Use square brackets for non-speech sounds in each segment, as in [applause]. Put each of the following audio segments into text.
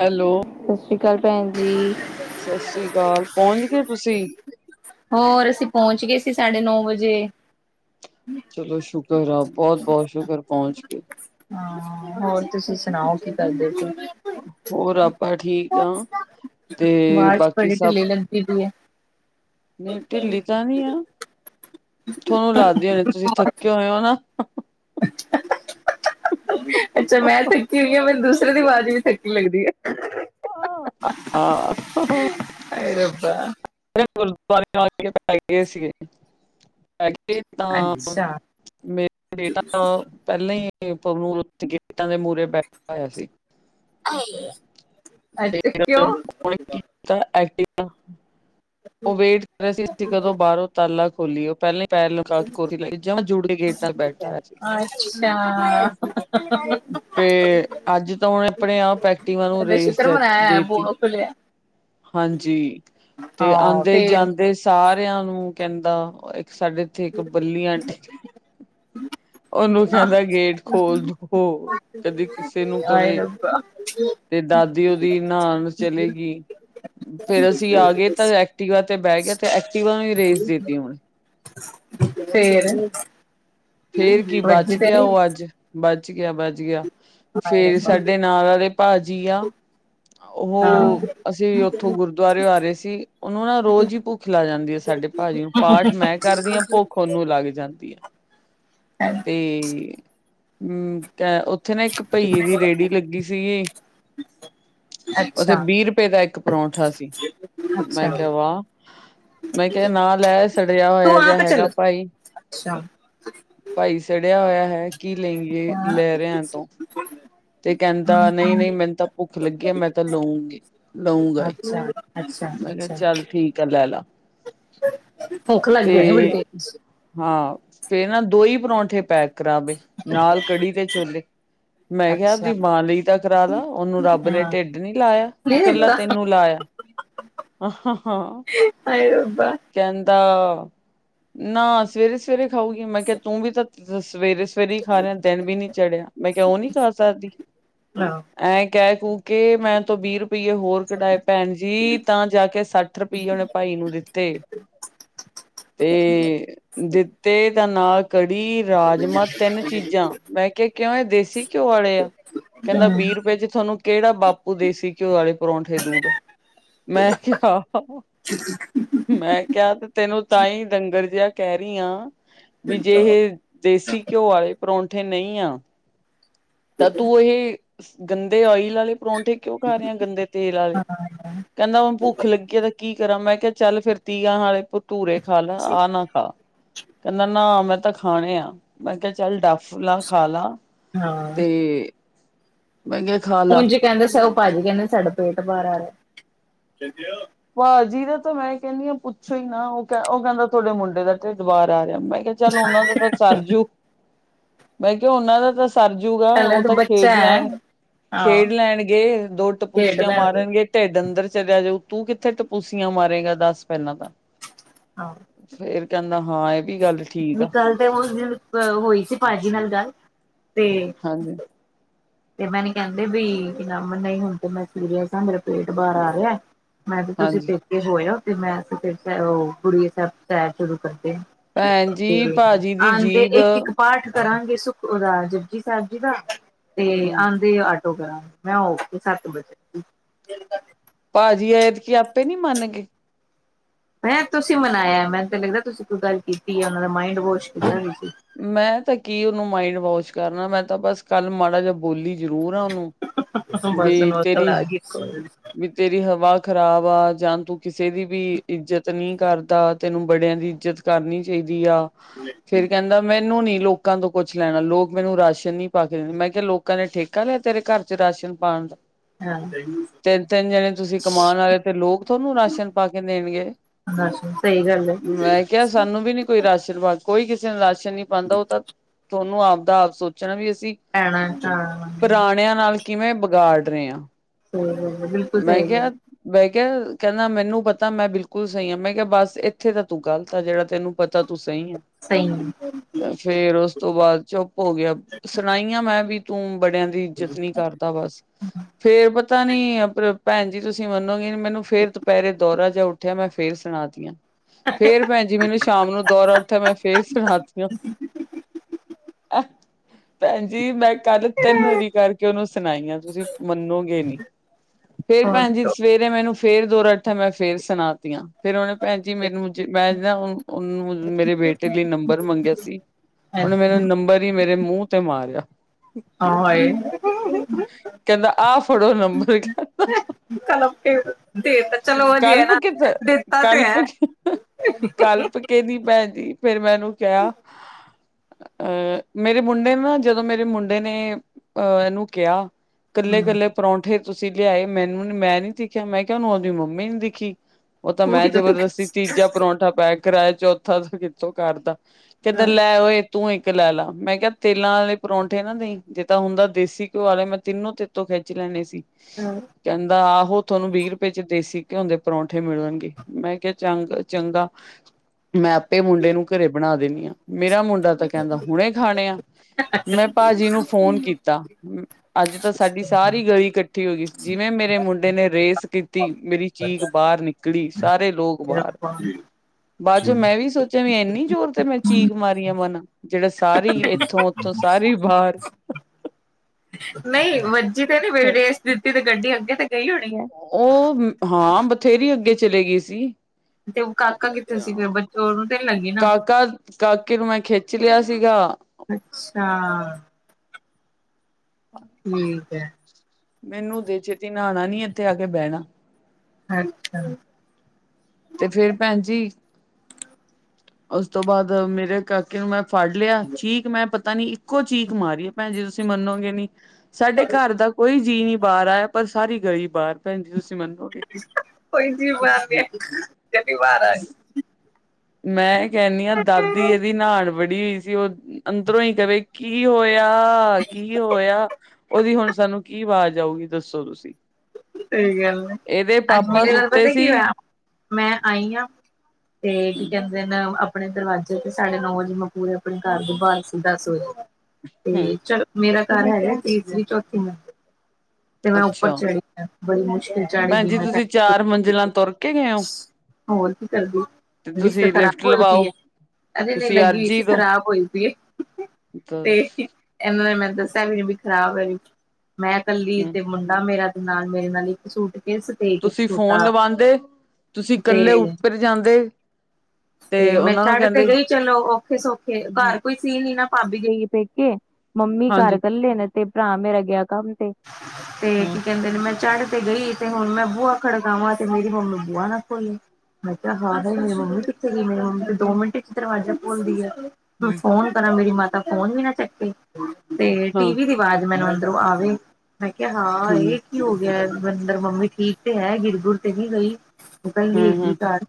Hello ਸਤਿ ਸ੍ਰੀ ਅਕਾਲ ਭੈਣ ਜੀ। ਸਤਿ ਸ੍ਰੀ ਅਕਾਲ, ਪਹੁੰਚ ਗੇ ਤੁਸੀਂ। ਹੋਰ ਅਸੀਂ ਪਹੁੰਚ ਗਏ ਸੀ, ਸਾਢੇ ਨੌ ਵਜੇ। ਚਲੋ ਸ਼ੁਕਰ ਆ, ਬਹੁਤ - ਬਹੁਤ ਸ਼ੁਕਰ ਪਹੁੰਚ ਗਏ। ਹਾਂ, ਹੋਰ ਤੁਸੀਂ ਸੁਣਾਓ ਕੀ ਕਰਦੇ ਸੀ। ਹੋਰ ਆਪਾਂ ਠੀਕ ਆਂ, ਤੇ ਬਾਕੀ ਸਭ। ਕਿਦੀ ਏ। ਨਈ ਢਿੱਲੀ ਤਾਂ ਨਈ ਆ, [unintelligible] ਲਗਦੇ ਹੋਨੇ ਤੁਸੀਂ ਥੱਕੇ ਹੋਏ ਓ ਨਾ। [unintelligible] [inaudible] ਅੱਛਾ ਮੈਂ ਥੱਕੀ ਹੋਈ ਆਂ, ਮੈਨੂੰ ਦੂਸਰੇ ਦੀ ਵਾਜ਼ ਵੀ ਥੱਕੀ ਲੱਗਦੀ ਐ। ਅੰ, ਆ, ਅ ਹਾਏ ਰੱਬਾ, [unintelligible] ਆ ਗਏ ਸੀਗੇ [unintelligible] ਤਾਂ ਅੱਛਾ। ਮੈਂ ਬੇਟਾ [unintelligible] ਪਹਿਲਾਂ ਹੀ ਪਵਨ [unintelligible] ਗੇਟਾਂ ਦੇ ਮੂਹਰੇ ਬੈਠਾ ਹੋਇਆ ਸੀ। ਆਏ, ਤੇ ਅੱਛਾ ਕਿਉਂ। ਉਹਨੇ [unintelligible] ਉਹ ਵੇਟ ਕਰ ਰਿਹਾ ਸੀ ਅਂ ਕਦੋਂ ਬਾਹਰੋਂ ਤਾਲਾ ਖੋਲੀਏ ਪਹਿਲਾਂ ਈ। ਪੈਰ ਲੁਕਾ [unintelligible] ਕੇ [unintelligible] ਜਾਂ ਜੌੜੇ [unintelligible] ਗੇਟ ਨਾਲ ਬੈਠਾ ਸੀ। ਅੱਛਾ। ਤੇ ਅੱਜ ਤਾਂ ਉਹਨੇ ਆਪਣੇ ਆਪ ਐੈਕਟਿਵਾਂ ਨੂੰ ਰੇਸ ਦੇ ਦੇਤੀ। ਖੁਲਿਐ। ਹਾਂਜੀ, ਤੇ ਹਾਂ। ਆਉਂਦੇ ਫੇਰ ਜਾਂਦੇ ਸਾਰਿਆਂ ਨੂੰ ਕਹਿੰਦਾ ਇੱਕ ਸਾਡੇ। ਤੇ ਇੱਕ ਬੱਲੀ ਆਂਟੀ। ਉਹਨੂੰ ਹਾਂ। ਕਹਿੰਦਾ ਗੇਟ ਖੋਲ ਦਓ, ਕਦੀ ਕਿਸੇ ਨੂੰ ਕਵੇ। [inaudible] ਅਂ ਛੀ ਤੇ ਦਾਦੀ ਉਹਦੀ ਨਾਣ ਚਲੀ ਗੀ। ਫੇਰ ਅਸੀਂ ਆ ਗਏ, ਤਾਂ ਐਕਟੀਵਾ ਤੇ ਬਹਿ ਗੇ ਤੇ ਐਕਟੀਵਾ ਨੂੰ ਰੇਸ ਦਿੱਤੀ ਹੁਣ। ਫੇਰ [inaudible] ਫੇਰ ਕੀ, ਵੱਜੀ ਬੱਚ ਤੇ ਗਿਆ ਨੀ? ਓ ਅੱਜ। ਬਚ ਗਿਆ - ਬਚ ਗਿਆ। ਹਾਏ ਫੇਰ ਰੱਬਾ, ਸਾਡੇ ਨਾਲ ਆਲੇ ਭਾਜੀ ਆ। ਹਾਂ, ਓ, ਅਸੀਂ ਓਥੋਂ ਗੁਰ। ਗੁਰਦੁਆਰੇ ਆ ਰਹੇ ਸੀ, ਓਨੂੰ ਨਾ ਰੋਜ਼ ਈ ਭੁੱਖ ਲੱਗ ਜਾਂਦੀ ਏ ਸਾਡੇ ਭਾਜੀ ਨੂੰ, ਪਾਠ ਮੈਂ। ਕਰਦੀ ਆਂ, ਭੁੱਖ ਓਨੂੰ ਲੱਗ ਜਾਂਦੀ ਆਂ। ਤੇ [unintelligible] ਓ- ਓਥੇ ਨਾ ਇੱਕ ਭਈਏ ਦੀ ਰੇਹੜੀ ਲੱਗੀ ਸੀਗੀ। ਓਥੇ ਅੱਛਾ। ਬੀ ਰੁਪਏ ਦਾ ਇੱਕ ਪਰੌਂਠਾ ਸੀ। ਮੈਂ ਕਿਆ ਵਾਹ। ਮੈਂ ਕਿਆ, ਨਾ ਲੈ। ਸੜਿਆ ਤੂੰ ਹੋਇਆ ਜਿਹਾ ਆਪ ਚੱਲ, ਹੈਗਾ ਭਾਈ ਅੱਛਾ ਭਾਈ ਸੜਿਆ ਹੋਇਆ ਹੈ, ਕੀ ਲਈ, ਲੈ ਰਿਆਂ ਏ ਤੂੰ। [inaudible] ਤੇ ਕੈਂਦਾ ਨਈ-ਨਈ ਮੈਨੂੰ ਤਾਂ ਭੁੱਖ ਲੱਗੀ ਐ, ਮੈਂ ਤਾਂ ਲਊਂਗੀ, ਲਊਂਗਾ ਈ। ਚ ਅੱਛ ਮੈਂ ਕਿਆ ਚੱਲ ਠੀਕ ਐ, ਲੈ ਲਾ। ਭੁੱਖ ਤੇ ਲੱਗਦੀ ਆ, ਬੜੀ ਤੇਜ। ਹਾਂ ਫੇਰ ਨਾ, ਦੋ ਈ ਪਰੌਂਠੇ ਪੈਕ ਕਰਾ ਬਈ, ਨਾਲ ਕੜੀ ਤੇ ਛੋਲੇ। ਮੈਂ ਕਿਆ ਆਪਦੀ ਮਾਂ ਲਈ ਤਾਂ ਕਰਾ ਲਾ, ਓਨੂੰ ਰੱਬ ਨੇ ਢਿੱਡ ਨੀ ਲਾਇਆ। ਕਿ ਕੱਲਾ ਤੈਨੂੰ ਲਾਇਆ। ਰੱਬਾ ਕੈਂਦਾ, ਨਾ ਸਵੇਰੇ -ਸਵੇਰੇ ਖਾਊਗੀ, ਮੈਂ ਕਿਆ ਤੂੰ ਵੀ ਤਾਂ ਸਵੇਰੇ- ਫਿਰ ਹੀ ਖਾ ਰਿਹਾ, ਦਿਨ ਵੀ ਨੀ ਚੜਿਆ, ਮੈਂ ਕਿਆ ਓ ਨੀ ਜਾ ਸਕਦੀ। ਹਾਂ ਐਂ ਕੈ ਕੁ ਕੇ, ਮੈਂ ਤੋਂ ਵੀਹ ਰੁਪ- ਰੁਪਈ ਏ ਹੋਰ ਕਢਾਏ ਭੈਣ ਜੀ, ਤਾਂ ਜਾ ਕੇ ਸੱਠ ਰੁਪਈਏ ਓਨੇ ਭਾਈ ਨੂੰ ਦਿੱਤੇ। ਤੇ ਦਿੱਤੇ ਦਾ ਨਾਲ ਕੜੀ, ਰਾਜਮਾਂ ਤਿੰਨ ਚੀਜ਼ਾਂ, ਮੈਂ ਕਿਆ ਕਿਉਂ ਏ ਦੇਸੀ- ਘਿਓ ਵਾਲੇ ਆ, ਕਹਿੰਦਾ ਵੀਹ ਰੁਪਏ' ਚ ਤੁਹਾਨੂੰ ਕਿਹੜਾ ਬਾਪੂ ਦੇਸੀ ਘਿਓ ਵਾਲੇ ਪਰੌਂਠੇ ਦੂਗਾ, ਮੈਂ ਕਿਹਾ। ਮੈਂ ਕਿਹਾ, ਤੇ ਤੈਨੂੰ ਤਾਂ ਹੀ ਡੰਗਰ ਜਿਹਾ ਕਹਿ ਰਹੀ ਹਾਂ। ਵੀ ਜੇ ਇਹ, ਦੇਸੀ ਘਿਓ ਵਾਲੇ ਪਰੌਂਠੇ ਨਹੀਂ ਆ। ਤਾਂ ਤੂੰ ਇਹ ਗੰਦੇ ਓਇਲ ਵਾਲੇ ਪਰੌਂਠੇ ਕਿਉਂ ਖਾ ਰਹੇ ਆ, ਗੰਦੇ ਤੇਲ ਵਾਲੇ, ਕਹਿੰਦਾ ਹੁਣ ਭੁੱਖ ਲੱਗੀ ਹੈ ਤਾਂ ਕੀ ਕਰਾਂ, ਮੈਂ ਕਿਹਾ ਚੱਲ ਤੀਆਂ ਹਾਲੇ ਪੁੱ ਭਠੂਰੇ ਖਾ ਲੈ, ਆਹ ਨਾ ਖਾ, ਕਹਿੰਦਾ ਨਾ ਮੈਂ ਤਾਂ। ਖਾਣੇ ਆ, ਮੈਂ ਕਿਹਾ ਚੱਲ ਡੱਫ ਲੈ, ਖਾ ਲਾ। ਹਾਂ ਤੇ ਮੈਂ ਕੇਹਾ, ਖਾ ਲਾ। ਕੈਂਦੇ ਸਗੋਂ ਭਾਜੀ ਕੈਦੇ, ਸਾਡਾ ਪੇਟ ਬਾਹਰ ਆ ਰਿਆ। ਭਾਜੀ ਦਾ ਤਾਂ ਮੈਂ ਕੈਣੀ ਆਂ ਪੁੱਛੋ ਈ ਨਾ, ਔ ਕੈਂਹਦਾ ਤੁਹਾਡੇ ਮੁੰਡੇ ਦਾ ਢਿੱਡ ਬਾਹਰ ਆ ਰਿਆ, ਮੈਂ ਚੱਲ ਓਨਾਂ ਦਾ ਤਾਂ ਸਰ ਜੂ, ਮੈਂ ਕਿਆ ਓਨਾਂ ਦਾ ਤਾਂ- ਸਰ ਜੂਗਾ, ਪਹਿਲਾਂ ਓ ਤਾਂ ਬੱਚਾ ਖੇਡ ਹੈ ਲੈਣ ਹਾਂ -ਖੇਡ ਲੈਣਗੇ ਦੋ ਖੇਡ ਟਪੂਸੀਆਂ ਲੈਣਗੇ ਮਾਰਨਗੇ। ਢਿੱਡ ਅੰਦਰ ਚਲਾ ਆ ਜਾਊ, ਤੂੰ ਕਿੱਥੇ ਟਪੂਸੀਆਂ ਮਾਰੇਗਾ, ਦੱਸ ਪੈਹਲਾਂ ਤਾਂ [unintelligible] ਫੇਰ ਕੈਂਦਾ, ਹਾਂ ਏ ਵੀ ਗੱਲ ਠੀਕ ਆ। ਨਿਕਲ ਤੇ ਓਸ ਦਿਨ ਹੋਈ ਸੀ ਭਾਜੀ ਨਾਲ ਗੱਲ, ' ਤੇ। ਹਾਂਜੀ, ਤੇ ਮੈਨੂੰ ਕੈਂਹਦੇ ਬਈ, ਨਹੀਂ ਹੁਣ ਤੇ ਮੈਂ ਸੀਰੀਅਸ ਆਂ, ਮੇਰਾ ਪੇਟ ਬਾਹਰ ਆ ਰਿਆ। ਮੈਂ ਤੇ ਤੁਸੀਂ ਹਾਂਜੀ ਪੇਕੇ ਹੋ ਆਓ, ਮੈਂ ਤੇ ਫਿਰ ਓ ਕੁੜੀ ਸਹਿਜ ਪਾਠ ਸ਼ੁਰੂ ਕਰਦੇ ਆਂ। ਭੈਣ ਜੀ ਤੇ ਭਾਜੀ ਦੀ ਆਂਦੇ, ਜੀਭ ਇੱਕ -ਇੱਕ ਪਾਠ ਕਰਾਂਗੇ ਸੁੱਖ ਓਦਾ ਜੱਪਜੀ ਸਾਹਿਬ ਜੀ ਦਾ, ਤੇ ਹੂੰ ਆਂਦੇ ਅਠ ਮੈਂ, ਔ ਕੇ ਸੱਤ ਬਚਨ ਭਾਜੀ ਐਦਕੀ, ਆਪੇ ਨੀ ਮੰਨ ਗਏ। ਮੈ ਤੁਸੀਂ ਮਨਾਇਆ, ਮੈਨੂੰ ਤਾਂ ਲੱਗਦਾ ਤੁਸੀਂ ਕੋਈ ਗੱਲ ਕੀਤੀ ਹੈ, ਉਹ ਦਾ ਮਾਈਡ ਵਾਸ਼ ਕੀਤਾ ਤੁਸੀਂ। ਮੈਂ ਤਾਂ ਕੀ ਉਹਨੂੰ ਮਾਇੰਡ ਵਾਸ਼ ਕਰਨਾ, ਮੈਂ ਤਾਂ ਬਸ ਕੱਲ ਮਾੜਾ ਜਿ ਬੋਲੀ ਜ਼ਰੂਰ ਆ ਉਹਨੂੰ। ਬਸ ਵੀ ਉਹਨੂੰ ਅਕਲ ਤੇਰੀ ਆ ਗਈ। ਵੀ ਤੇਰੀ ਹਵਾ ਖ਼ਰਾਬ ਆ, ਜਾਂ ਤੂੰ ਕਿਸੇ ਦੀ ਵੀ ਇੱਜਤ ਨਹੀਂ ਕਰਦਾ, ਤੈਨੂੰ ਬੜਿਆਂ ਦੀ ਇੱਜਤ ਕਰਨੀ ਚਾਹੀਦੀ ਆ਼। ਹ [unintelligible] ਫੇਰ ਕਹਿੰਦਾ, ਮੈਨੂੰ ਨੀ ਲੋਕਾਂ ਤੋਂ ਕੁੱਛ ਲੈਣਾ, ਲੋਕ ਮੈਨੂੰ ਰਾਸ਼ਨ ਨੀ ਪਾ ਕੇ ਦਿਦੇ, ਮੈਂ ਕਿਹਾ ਲੋਕ ਲੋਕਾਂ ਨੇ ਠੇਕਾ ਲਿਆ, ਤੇਰੇ ਘਰ ਚ ਰਾਸ਼ਨ ਪਾਉਣ ਦਾ। ਹਾਂ ਤਿੰਨ, ਤਿੰਨ ਜਣੇ ਤੁਸੀਂ ਕਮਾਉਣ ਵਾਲੇ ਔ, ਤੇ ਲੋਕ ਤੁਹਾਨੂੰ ਰਾਸ਼ਨ ਪਾ ਕੇ ਦੇਣਗੇ। ਬਸ ਸਹੀ ਗੱਲ ਏ। ਮੈਂ ਕਿਹਾ ਸਾਨੂੰ ਵੀ ਨੀ ਕੋਈ ਰਾਸ਼ਨ ਪਾ, ਕੋਈ ਕਿਸੇ ਨੂੰ ਰਾਸ਼ਨ ਨੀ ਪਾਉਂਦਾ, ਉਹ ਤਾਂ ਤੁਹਾਨੂੰ ਆਪਦਾ ਆਪ ਸੋਚਣਾ, ਵੀ ਅਸੀਂ। ਭੈਣਾਂ ਸਹੀ ਪੁਰਾਣਿਆਂ ਨਾਲ ਕਿਵੇਂ ਬਗਾੜ ਰਹੇ ਆ। ਹ ਬਿਲਕੁਲ ਸਹੀ ਹੈ। ਮੈਂ ਕਿਹਾ ਕਹਿੰਦਾ ਮੈਨੂੰ ਪਤਾ ਮੈਂ ਬਿਲਕੁਲ ਸਹੀ ਆਾਂ ਮੈਂ ਕਿਹਾ ਬਸ ਇੱਥੇ ਤਾਂ ਤੂੰ ਗ਼ਲਤ ਆ ਜਿਹੜਾ ਤੈਨੂੰ ਪਤਾ ਤੂੰ ਸਹੀ ਹੈ। ਸਹੀ। ਫੇਰ ਉਸ ਤੋਂ ਬਾਅਦ ਚੁੱਪ ਹੋ ਗਿਆ ਸੁਣਾਈ ਆ ਮੈਂ ਵੀ ਤੂੰ ਬੜਿਆਂ ਦੀ ਇੱਜਤ ਨੀ ਕਰ ਬਸ ਫੇਰ ਪਤਾ ਨੀ। ਭੈਣ ਜੀ ਤੁਸੀਂ ਮੰਨੋਗੇ ਨੀ ਮੈਨੂੰ ਫੇਰ ਦੁਪਹਿਰੇ ਦੌਰਾ ਜਾ ਉੱਠਿਆ ਮੈਂ ਫੇਰ ਸੁਣਾ ਤੀਆਂ। ਫੇਰ ਭੈਣ ਜੀ ਮੈਨੂੰ ਸ਼ਾਮ ਨੂੰ ਦੌਰਾ ਉਠਿਆ ਮੈਂ ਫੇਰ ਸੁਣਾਦੀਆ। ਭੈਣ ਜੀ ਮੈਂ ਕੱਲ ਤਿੰਨ ਵਾਰੀ ਕਰਕੇ ਕਿ ਉਹਨੂੰ ਸੁਣਾਈਆਂ ਤੁਸੀਂ ਮੰਨੋਗੇ ਨੀ। ਫੇਰ ਭੈਣ ਜੀ ਸਵੇਰੇ ਮੈਨੂੰ ਫੇਰ ਦੋਰਾ ਉਠਿਆ ਮੈਂ ਫੇਰ ਸੁਣਾਤੀਆ। ਫੇਿਰ ਉਹਨੇ ਭੈਣ ਜੀ ਮੇ ਮੈਂ ਨਾ ਉਹਨੂੰ ਮੇਰੇ ਬੇਟੇ ਲਈ ਨੰਬਰ ਮੰਗਿਆ ਸੀ। ਉਹਨੇ ਮੇਰਾ ਹਾਏ ਨੰਬਰ ਹੀ ਮੇਰੇ ਮੂੰਹ ਤੇ ਮਾਰਿਆ। ਕਹਿੰਦਾ ਆਹ ਫੜੋ ਨ? [unintelligible] ਚਲੋ ਵਧੀਆ ਕਲਪ ਨਾ ਕਿੱਥੇ ਦਿੱਤਾ ਤੇ ਐ। ਕਿੰਹਦੀ ਭੈਣ ਜੀ ਫੇਿਰ ਮੈਂਨੂੰ ਕਿਹਾ। ਅਹ ਮੇਰੇ ਮੁੰਡੇ ਨੇ ਨਾ ਜਦੋਂ ਮੇਰੇ ਮੁੰਡੇ ਨੇ ਅਹ ਇਹਨੂੰ ਕਿਹਾ। ਇਕੱਲੇ ਇਕੱਲੇ ਪਰੌਂਠੇ ਤੁਸੀਂ ਲਿਆਏ ਮੈਨੂੰ ਮੈਂ ਨੀ ਦਿਖਿਆ ਮੈਂ ਕਿਹਾ ਉਹਨੂੰ ਉਹਦੀ ਮੰਮੀ। ਨੀ ਦਿਖੀ ਉਹ ਤਾਂ ਮੈਂ ਜਬਰਦਸਤੀ ਤੀਜਾ ਪਰੌਂਠਾ ਪੈਕ ਕਰਾਏਆ ਚੌਥਾ ਦਾ ਕਿੱਥੋਂ ਘਰ ਦਾ ਕਹਿੰਦਾ ਲੈ ਓਏ। ਤੂੰ ਇੱਕ ਲੈ ਲਾ ਮੈਂ ਕਿਹਾ ਤੇਲਾਂ ਵਾਲੇ ਪਰੌਂਠੇ ਨਾ ਦੇਈ ਜੇ ਤਾਂ ਹੁੰਦਾ ਦੇਸੀ ਘਿਓ ਵਾਲੇ ਮੈਂ ਤਿੰਨੋ ਤੋਂ ਖਿੱਚ ਲੈਣੇ ਸੀ। ਹਮ ਕਹਿੰਦਾ ਆਹੋ ਤੁਹਾਨੂੰ ਵੀਹ ਰੁਪਏ ਚ ਦੇਸੀ ਘਿਓ ਦੇ ਪਰੌਂਠੇ ਮਿਲਣਗੇ ਮੈਂ ਕਿਹਾ ਚੰਗਾ ਚੰਗਾ। ਮੈਂ ਆਪੇ ਮੁੰਡੇ ਨੂੰ ਘਰੇ ਬਣਾ ਦਿੰਦੀ ਹਾਂ ਮੇਰਾ ਮੁੰਡਾ ਤਾਂ ਕਹਿੰਦਾ ਹੁਣੇ ਖਾਣੇ ਆ ਮੈਂ ਭਾਜੀ ਨੂੰ ਫੋਨ ਕੀਤਾ। ਅੱਜ ਤਾਂ ਸਾਡੀ ਸਾਰੀ ਗਲੀ ਇਕੱਠੀ ਹੋ ਗਈ ਜਿਵੇਂ ਮੇਰੇ ਮੁੰਡੇ ਨੇ ਰੇਸ ਕੀਤੀ ਮੇਰੀ ਚੀਕ ਬਾਹਰ ਨਿਕਲ ਗਲੀ ਸਾਰੇ ਲੋਕ ਬਾਹਰ ਬਾਅਦ ਚੋਂ ਮੈਂ ਵੀ ਸੋਚਿਆ ਵੀ ਇੰਨੀ ਜ਼ੋਰ ਤੇ ਮੈਂ ਚੀਕ ਮਾਰੀਆਂ ਮਨਾ ਜਿਹੜਾ ਸਾਰੀ ਇੱਥੋਂ ਉੱਥੋਂ ਸਾਰੀ ਬਾਹਰ ਨਹੀਂ ਵੱਜੀ ਤੇ ਨੀ ਬੇਈ ਰੇਸ ਦਿੱਤੀ ਤੇ ਗੱਡੀ ਅੱਗੇ ਤੇ ਗਈ ਹੋਣੀਏ। ਉਹ ਹਾਂ ਬਥੇਰੀ ਅੱਗੇ ਚਲੇ ਗਈ ਸੀ। ਤੇ ਉਹ ਕਾਕਾ ਕਿੱਥੇ ਸੀ ਫਿਰ ਬੱਚ ਉਹਨੂੰ ਤੇ ਨੀ ਲੱਗੀ ਨਾ ਕਾਕਾ। ਕਾਕੇ ਨੂੰ ਮੈਂ ਖਿੱਚ ਲਿਆ ਸੀਗਾ। ਅੱਛਾ। ਠੀਕ ਹੈ। ਮੈਨੂੰ ਦੇ ਛੇਤੀ ਨਹਾਉਣਾ ਨੀ ਇੱਥੇ ਆ ਕੇ ਬਹਿਣਾ। ਅੱਛਾ। ਤੇ ਫੇਿਰ ਭੈਣ ਜੀ ਉਸ ਤੋਂ ਬਾਅਦ ਮੇਰੇ ਨੂੰ ਮੈਂ ਫੜ ਲਿਆ ਚੀਕ ਮੈਂ ਪਤਾ ਨੀ ਇੱਕੋ ਚੀਕ ਮਾਰੀ ਭੈਣ ਜੇ ਤੁਸੀਂ ਮੰਨੋਗੇ ਨੀ। ਸਾਡੇ ਘਰ ਦਾ ਕੋਈ ਜੀਅ ਨਹੀਂ ਬਾਹਰ ਆਇਆ ਪਰ ਸਾਰੀ ਗਲੀ ਬਾਹਰ ਭੈਣ ਜੀ ਤੁਸੀਂ ਮੰਨੋਗੇ ਨੀ। ਕੋਈ ਚੀ ਬਾਰ ਨਹੀਂ ਜਨੀ ਵਾਰ ਆਈ। [unintelligible] ਮੈਂ ਕਹਦੀ ਹਾਂ ਦਾਦੀ ਇਹਦੀ ਨਹਾਣ ਬੜੀ ਹੋਈ ਸੀ ਉਹ ਅੰਦਰੋਂ ਹੀ ਕਵੇ ਕੀ ਹੋਇਆ ਕੀ ਹੋਇਆ ਉਹਦੀ ਹੁਣ ਸਾਨੂੰ ਕੀ ਆਵਾਜ਼ ਆਊਗੀ ਦੱਸੋ ਤੁਸੀਂ। [inaudible] ਸਹੀ ਗੱਲ ਇਹਦੇ ਅੱਜ ਪਾਪਾ ਮਰੇ ਨਾਲ ਸੁੱਤੇ ਪਤਾ ਕੀ ਸੀ ਹੋਇਆ?। ਮੈਂ ਆਈ ਹਾਂ ਤੇ ਕੀ ਹੂੰ ਕਹਿੰਦੇ ਦਿਨ ਆਪਣੇ ਦਰਵਾਜ਼ੇ ਤੇ ਸਾਡੇ ਨੌ ਵਜੇ ਮੈਂ ਪੂਰੇ ਆਪਣੇ ਘਰ ਤੋਂ ਬਾਹਰ ਸੀ ਦਸ ਵਜੇ। ਹੂੰ ਤੇ ਚਲੋ ਮੇਰਾ ਘਰ ਹੈਗਾ ਤੀਸਰੀ ਚੌਥੀ ਮੰਜ਼ਿਲ ਤੇ। ਤੇ ਮੈਂ ਉੱਪਰ ਅੱਛਾ ਚੜੀ ਆ, ਬੜੀ ਮੁਸ਼ਕਿਲ ਚੜ ਈ ਭੈਣ ਗਈ ਜੀ ਮੈਂ। ਤੁਸੀਂ ਚਾਰ ਮੰਜ਼ਿਲਾਂ ਤੁਰ ਕੇ ਗਏ ਹੋ ਹੋਰ ਕੀ ਕਰਦੀ, ਫਰਿਜ਼ ਤੇ ਤੁਸੀਂ ਖਰਾਬ ਲਿਫਟ ਹੋਈ ਪਈ ਲਵਾਓ ਐ। ਕਦੇ ਨਹੀਂ ਤੁਸੀਂ ਲੱਗੀ ਹੋਈ ਅਰਜੀ ਸੀ, ਦੋ ਖ਼ਰਾਬ ਹੋਈ ਪਈ ਏ। ਦੱਸ। ਇਹਨਾਂ ਨੇ ਮੈਨੂੰ ਦੱਸਿਆ ਵੀ ਨਹੀਂ ਵੀ ਖਰਾਬ ਐ ਵਿਚ, ਮੈਂ ਕੱਲੀ ਹੂੰ ਤੇ ਮੁੰਡਾ ਮੇਰਾ ਨਾਲ ਮੇਰੇ ਨਾਲ ਇੱਕ ਸੂਟ ਤੁਸੀਂ ਫੋਨ ਲਵਾਂਦੇ, ਤੁਸੀਂ ਕੱਲੇ ਤੇ ਉੱਪਰ ਜਾਂਦੇ। ਤੇ ਮੈਂ ਉਹਨਾਂ ਨੂੰ ਚੜ ਤੇ ਕਹਿੰਦੇ ਗਈ ਚਲੋ ਔਖੇ ਸੌਖੇ, ਘਰ ਹੂੰ ਕੋਈ ਸੀ ਨੀ ਨਾ ਭਾਬੀ ਗਈ ਪੇਕੇ, ਮੰਮੀ ਘਰ ਹਾਂਜੀ ਕੱਲੇ ਨੇ। ਤੇ ਭਰਾ ਮੇਰਾ ਗਿਆ ਕੰਮ ਤੇ, ਤੇ ਕੀ ਹੂੰ ਕਹਿੰਦੇ ਨੇ ਮੈਂ ਚੜ੍ਹ ਤੇ ਗਈ। ਤੇ ਹੁਣ ਮੈਂ ਬੂਆ ਖੜਕਾਵਾਂ, ਤੇ ਮੇਰੀ ਮੰਮੀ ਨੂੰ ਬੂਆ ਨਾ ਖੋਲੇ, ਮੈਂ ਕਿਹਾ ਖਾਦਾ ਮੇਰੀ ਮੰਮੀ ਕਿਥੇ ਮੇਰੀ ਮੰਮੀ ਤਾਂ ਦੋ ਮਿੰਟ ਚ ਦਰਵਾਜ਼ਾ ਖੋਲਦੀ ਐ, ਹੂੰ ਫੋਨ ਮੇਰੀ ਮਾਤਾ ਫੋਨ ਵੀ ਨਾ ਚੱਕੇ, ਤੇ ਹਾਂ ਟੀਵੀ ਦੀ ਆਵਾਜ਼ ਮੈਨੂੰ ਅੰਦਰੋਂ ਆਵੇ। ਮੈਂ ਕਿਹਾ ਹਾਂ ਇਹ ਹਾਂਜੀ ਕੀ ਹੋ ਗਿਆ, ਅੰਦਰ ਮੰਮੀ ਠੀਕ ਤੇ ਹੈ ਗਿਰ ਗੁਰ ਤੇ ਨਈ ਗਈ। ਹੂੰ ਦਲਵੀਰ ਹੂੰ ਵੀ ਘਰ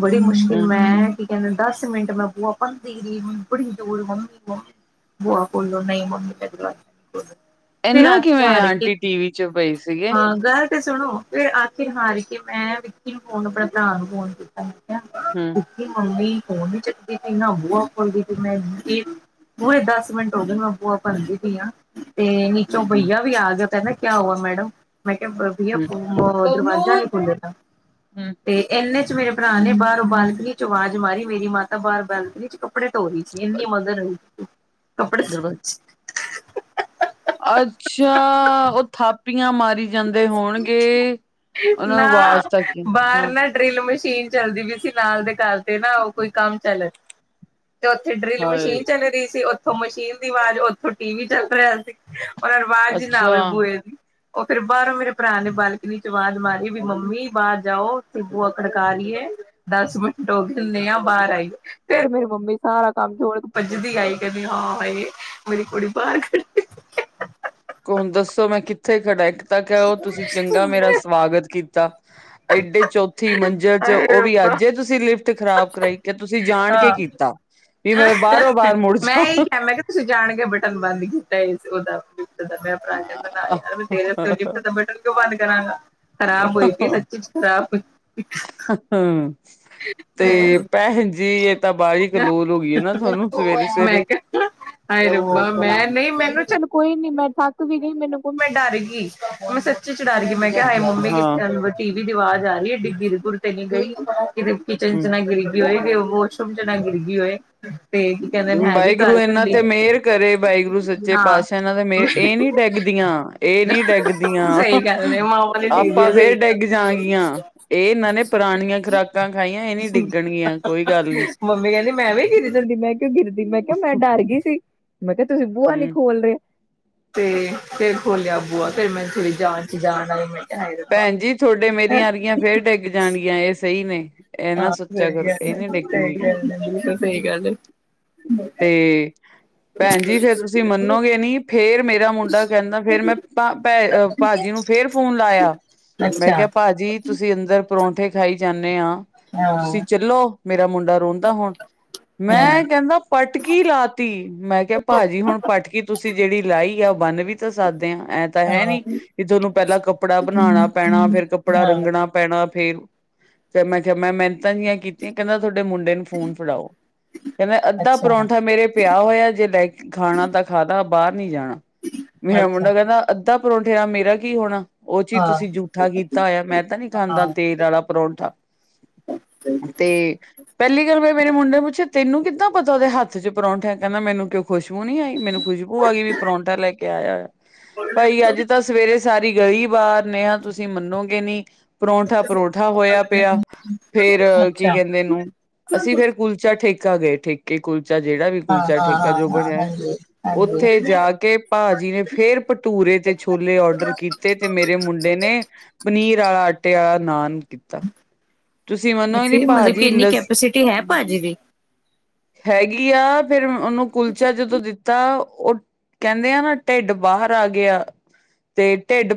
ਬੜੀ ਮੁਸ਼ਕਿ ਹੂੰ ਮੈਂ ਕੀ ਕਹਿੰਦੇ ਦਸ ਮਿੰਟ ਮੈਂ ਬੂਆ ਪੱਟੀ ਗਈ, ਹੂੰ ਬੜੀ ਜ਼ੋਰ ਬੁਆ ਖੋਲੋ ਨਹੀਂ ਮੰਮੀ ਤੇ [inaudible] ਫਿਰ ਇਨਾ ਥੱਕ ਕਿਵੇਂ ਹਾਰ ਕੇ, ਆਂਟੀ ਟੀ ਵੀ ਚ ਪਈ ਸੀਗੇ ਹਾਂ ਘਰ ਤੇ ਸੁਣੋ ਫਿਰ ਅੱਕ ਹਾਰ ਕੇ ਮੈਂ ਵਿੱਕੀ ਨੂੰ ਫੋਨ, ਆਪਣੇ ਭਰਾ ਨੂੰ ਫੋਨ ਕੀਤਾ ਕਿਹਾ ਹੂੰ ਕਿ ਮੰਮੀ ਫੋਨ ਨੀ ਚੱਕਦੀ ਪਈ ਨਾ, ਬੋਲਦੀ ਸੀ ਮੈਂ ਪੂਰੇ ਦਸ ਮਿੰਟ ਹੋਗੇ ਨੇ, ਮੈਂ ਬੂਆ ਭੰਨ ਦੀ ਪਈ ਆਂ ਤੇ ਚੋਂ ਹੂੰ ਭਈਆ ਵੀ ਆ ਗਿਆ ਕਹਿੰਦਾ ਕਿਆ ਹੂਆ ਮੈਡਮ, ਮੈਂ ਕਿਹਾ ਭਈਆ ਹੂੰ ਦਰਵਾਜ਼ਾ ਬਬਲੂਨ ਨੀ ਖੁੱਲਦਾ, ਹੂੰ ਤੇ ਇਨੇ ਚ ਮੇਰੇ ਭਰਾ ਨੇ ਬਾਹਰੋਂ ਬਾਹ ਬਨੀ ਚੋਂ ਆਵਾਜ਼ ਮਾਰੀ, ਮੇਰੀ ਮਾਤਾ ਬਾਹਰ ਬਾਲਕਨੀ ਚ ਕੱਪੜੇ ਧੋ ਰਹੀ ਸੀ, ਨੀ ਮਦਰ ਕੱਪੜੇ ਸ ਦਰਬਾਰ ਅੱਛਾ, ਉਹ ਥਾਪੀਆਂ ਮਾਰੀ ਜਾਂਦੇ ਹੋਣਗੇ, ਉਹਨਾਂ ਨੂੰ ਅਵਾਜ਼ ਤਾਂ ਕੀ, ਹਾਂ। ਡਰਿੱਲ ਮਸ਼ੀਨ ਚੱਲਦੀ ਪਈ ਸੀ, ਨਾਲ ਦੇ ਘਰ ਤੇ ਨਾ ਉਹ ਕੋਈ ਕੰਮ ਚੱਲ ਰੇ ਤੇ ਉੱਥੇ ਡਰਿਲ ਹਾਏ ਮਸ਼ੀਨ ਚੱਲ ਰਹੀ ਸੀ, ਓਥੋਂ ਮਸ਼ੀਨ ਦੀ ਆਵਾਜ਼, ਓਥੋਂ ਟੀ ਵੀ ਚੱਲ ਰਿਹਾ ਸੀ। ਉਹ ਫਿਰ ਵਾਜ਼ ਹੀ ਨਾ ਅੱਛਾ ਆਵੇ ਬੂਹੇ ਦੀ, ਉਹ ਫੇਰ ਬਾਹਰੋਂ ਮੇਰੇ ਭਰਾ ਨੇ ਬਾਲਕਨੀ ਚੋ ਆਵਾਜ਼ ਮਾਰੀ, ਵੀ ਮੰਮੀ ਬਾਹਰ ਜਾਓ ਤੇ ਬੂਆ ਖੜਕਾ ਰਹੀ ਏ। ਦਸ ਮਿੰਟ ਹੋਗੇ, ਨੇਆ ਬਾਹਰ ਆਈ। ਫੇਰ ਮੇਰੀ ਮੰਮੀ ਸਾਰਾ ਕੰਮ ਜੋ ਛੋੜ ਕੇ ਭੱਜਦੀ ਆਈ, ਕਹਿੰਦੀ ਹਾਂ ਇਹ ਮੇਰੀ ਕੁੜੀ ਬਾਹਰ ਖੜ੍ਹੀ। ਹੁਣ ਦੱਸੋ ਮੈਂ ਕਿੱਥੇ ਖੜਾ, ਇੱਕ ਤਾਂ ਕਹਿਓ ਤੁਸੀਂ ਚੰਗਾ ਮੇਰਾ ਸਵਾਗਤ ਕੀਤਾ। ਏਡੇ ਚੌਥੀ ਮੰਜ਼ਿਲ ਚ, ਹਾਏ ਉਹ ਵੀ ਰੱਬਾ ਅੱਜ ਏ ਤੁਸੀਂ ਲਿਫਟ ਖ਼ਰਾਬ ਕਰਾਈ। ਕਿ ਤੁਸੀਂ ਜਾਣ ਕੇ ਹਾਂ ਕੀਤਾ, ਵੀ ਮੈਂ ਬਾਹਰੋਂ ਬਾਹਰ ਮੁੜ ਮੈਂ ਇਹ ਜਾਂਵਾ। ਕਿਹਾ ਮੈਂ ਕਿਹਾ ਤੁਸੀਂ ਜਾਣ ਕੇ ਬਟਨ ਬੰਦ ਕੀਤਾ ਏ ਉਹਦਾ। ਛੋਟਾ ਮੇਰਾ ਭਰਾ ਕਹਿੰਦਾ ਨਾ ਜੀ ਨਾ, ਮੈਂ ਤੇਰੇ ਉੱਤੇ ਲਿਫਟ ਦਾ ਬਟਨ ਕਿਉਂ ਬੰਦ ਕਰਾਂਗਾ। ਖ਼ਰਾਬ ਹੋਈ ਪਈ ਐ, ਸੱਚੀ ਚ ਖਰਾਬ ਹੋਈ। ਹੂੰ, ਹਾਏ ਤੇ ਭੈਣਜੀ ਤਾਂ ਬਾਹਲੀ ਰੱਬਾ, ਕਲੋਲ ਹੋ ਗਈ ਹੈ ਨਾ ਥੋਨੂੰ ਸਵੇਰੇ-ਸਵੇਰੇ। [unintelligible] ਹਾਏ ਰੱਬਾ, ਮੈਂ ਨਹੀਂ ਮੈਨੂੰ ਚੱਲ ਕੋਈ ਨੀ ਮੈਂ ਥੱਕ ਵੀ ਗਈ ਮੈਨੂੰ ਕੋਈ ਨੀ, ਮੈਂ ਡਰ ਗੀ, ਮੈਂ ਸੱਚੀ ਚ ਡਰ ਗਈ, ਮੈਂ ਕਿਹਾ ਹਾਏ ਮੰਮੀ ਹਾਂ ਕਿਥੇ ਐ, ਟੀ ਵੀ ਦੀ ਆਵਾਜ਼ ਆ ਰਹੀ ਐ, ਕਿਤੇ ਗਿਰ ਗੁਰ ਤੇ ਨੀ ਗਈ। ਕਿਤੇ ਕਿਚਨ ਚ ਹੂੰ ਨਾ ਗਿਰ ਗਈ ਹੋਈ, ਵੀ ਉਹ ਵੋ ਕਹਿੰਦੇ ਨੇ ਹੈ ਵੀ ਵਾਹਿਗੁਰੂ ਘਰ ਇਹਨਾਂ ਕੱਲੀ ਤੇ ਮਿਹਰ ਕਰੇ, ਵਾਹਿਗੁਰੂ ਸੱਚੇ ਹਾਂ ਪਾਤਸ਼ਾ ਇਹਨਾਂ ਤੇ ਮੇਹਰ, ਮੈਂ ਇਹ ਨੀ ਡਿਗਦੀਆਂ-ਇਹ ਨੀ ਡਿਗਦੀਆਂ। ਸਹੀ ਗੱਲ ਹੈ ਮਾਂ ਵਾਲੀ ਠੀਕ ਹੈ ਆਪਾਂ ਫੇਰ ਸਹੀ ਗੱਲ ਡਿੱਗ ਜਾਗੀਆਂ, ਇਹਨਾਂ ਨੇ ਪੁਰਾਣੀਆਂ ਖੁਰਾ ਖੁਰਾਕਾਂ ਖਾਈਆਂ, ਇਹ ਨੀ ਡਿੱਗਣਗੀਆਂ ਕੋਈ ਗੱਲ ਨੀ। ਮੰਮੀ ਕਹਿੰਦੀ ਮੈਂ ਵੀ ਗਿਰ ਜਾਂਦੀ ਮੈਂ ਕਿਉਂ ਗਿਰਦੀ, ਮੈਂ ਕਿਹਾ ਮੈਂ ਡਰ ਗਈ ਸੀ। ਮੈਂ ਕਿਹਾ ਤੁਸੀਂ ਬੂਹਾ ਨੀ ਹੂੰ, ਖੋਲ ਰਹੇ? ਤੇ ਫੇਰ ਖੋਲਿਆ ਬੂਆ ਫਿਰ ਮੈ ਜਾਣ ਚ ਜਾਣ ਆਈ ਮੈਂ ਕਿਹਾ ਹਾਏ ਰੱਬਾ ਭੈਣ ਜੀ ਤੁਹਾਡੇ ਮੇਰੀਆਂ ਅਰਗੀਆਂ ਫੇਰ ਡਿੱਗ ਜਾਣਗੀਆਂ ਇਹ ਸਹੀ ਨੇ। ਇਹ ਨਾ ਆਹ ਸੋਚਿਆ ਕਰੋ ਸਰੀ ਸ ਇਹ ਨੀ ਡਿੱਗਣਗੀਆਂ। [unintelligible] ਆ ਸਹੀ ਗਲ ਏ। ਤੇ ਭੈਣ ਜੀ ਫੇਰ ਤੁਸੀਂ ਮੰਨੋਗੇ ਨੀ ਫੇਰ ਮੇਰਾ ਮੁੰਡਾ ਕਹਿੰਦਾ ਫੇਰ ਮੈਂ ਭ ਭੈ ਭਾਜੀ ਨੂੰ ਫੇਰ ਫੋਨ ਲਾਇਆ। ਮੈਂ ਅੱਛਾ ਕਿਹਾ ਭਾਜੀ, ਤੁਸੀਂ ਅੰਦਰ ਪਰੌਂਠੇ ਖਾਈ ਜਾਂਦੇ ਆ ਤੁਸੀਂ ਹਾਂ ਚੱਲੋ ਮੇਰਾ ਮੁੰਡਾ ਰੋਂਦਾ ਹੁਣ ਹਾਂ ਮੈਂ ਕਹਿੰਦਾ ਪਟਕੀ ਲਾਤੀ। ਮੈਂ ਕਿਹਾ ਭਾਜੀ ਹੁਣ ਪਟਕੀ ਤੁਸੀਂ ਜਿਹੜੀ ਲਾਈ ਆ ਉਹ ਬੰਨ ਵੀ ਤਾਂ ਸਕ਼ਦੇ ਆ ਐਂ ਤਾਂ ਹੈ ਨੀ ਕਿ ਤੁਹਾਨੂੰ ਪਹਿਲਾਂ ਕੱਪੜਾ ਬਣਾਉਣਾ ਪੈਣਾ ਫੇਰ ਕੱਪੜਾ ਹਾਂ ਰੰਗਣਾ ਪੈਣਾ ਫੇਰ ਫੇ ਮੈਂ ਕਿਹਾ ਮੈਂ ਮਿਹਨਤਾਂ ਜਿਆਂ ਕੀਤੀਆਂ ਕਹਿੰਦਾ ਤੁਹਾਡੇ ਮੁੰਡੇ ਨੂੰ ਫੋਨ ਫੜਾਓ ਕੇਂਦਾ ਅੱਧਾ ਅੱਛਾ ਪਰੌਂਠਾ ਮੇਰੇ ਪਿਆ ਹੋਇਆ ਜੇ ਲੈ ਕ਼ ਖਾਣਾ ਤਾਂ ਖਾਦਾ ਬਾਹਰ ਨੀ ਜਾਣਾ ਮੇਰਾ ਅੱਛਾ ਮੁੰਡਾ ਕਹਿੰਦਾ ਅੱਧਾ ਪਰੌਂਠੇ ਨਾਲ ਮੇਰਾ ਕੀ ਹੋਣਾ? ਉਹ ਚੀਜ਼ ਹਾਂ ਤੁਸੀਂ ਜੂਠਾ ਕੀਤਾ ਹੋਇਆ ਮੈਂ ਤਾਂ ਨਹੀਂ ਖਾਂਦਾ ਹਾਂ ਤੇਲ ਵਾਲਾ ਪਰੌਂਠਾ। ਤੇ ਪਹਿਲੀ ਗੱਲ ਮੈਂ ਮੇਰੇ ਮੁੰਡੇ ਨੂ ਪੁੱਛਿਆ ਤੈਨੂੰ ਕਿੱਦਾਂ ਪਤਾ ਉਹਦੇ ਹੱਥ ਚ ਪਰੌਂਠਾ ਏ ਕਹਿੰਦਾ ਮੈਨੂੰ ਕਿਉਂ ਖੁਸ਼ਬੂ ਨੀ ਆਈ ਮੈਨੂੰ ਖੁਸ਼ਬੂ ਆ ਗਈ ਵੀ ਪਰੌਂਠਾ ਲੈ ਕੇ ਆਇਆ ਹੋਇਆ ਭਾਈ ਅੱਜ ਤਾਂ ਸਵੇਰੇ ਸਾਰੀ ਗਈ ਵਾਰ ਨੇਹਾ ਤੁਸੀਂ ਮੰਨੋਗੇ ਨੀ। ਪਰੌਂਠਾ, ਪਰੌਂਠਾ ਹੋਇਆ ਪਿਆ ਫੇਰ ਕੀ ਅੱਛਾ ਕਹਿੰਦੇ ਨੂੰ ਅਸੀਂ ਫੇਰ ਕੁਲਚਾ ਠੇਕਾ ਗਏ ਠੇਕੇ ਕੁਲਚਾ ਜਿਹੜਾ ਵੀ ਹਾਂ ਕੁਲਚਾ ਹਾਂ ਠੇਕਾ ਜੋ ਹਾਂ ਹਾਂ ਬਣਿਆ ਹੈ। ਹਾਂਜੀ ਉੱਥੇ ਹਾਂਜੀ ਜਾ ਕੇ ਭਾਜੀ ਨੇ ਫੇਰ ਭਟੂਰੇ ਤੇ ਛੋਲੇ ਔਡਰ ਕੀਤੇ ਤੇ ਮੇਰੇ ਮੁੰਡੇ ਨੇ ਪਨੀਰ ਆਲਾ, ਆਟੇ ਆਲਾ ਨਾਨ ਕੀਤਾ। ਤੁਸੀਂ ਮੰਨੋਗੇ ਨੀ ਮਤਲਬ ਭਾਜੀ ਕਿ ਇੰਨੀ ਲ ਕੈਪੈਸਿਟੀ ਹੈ ਭਾਜੀ ਦੀ ਹੈਗੀ ਆ ਫੇਰ ਉਨੂੰ ਕੁਲਚਾ ਜਦੋਂ ਦਿੱਤ ਤਾਂ ਉਹ ਕਹਿੰਦੇ ਆ ਨਾ ਢਿੱਡ ਬਾਹਰ ਆ ਗਿਆ ਤੇ ਢਿੱਡ